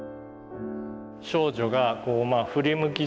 少女が振り向き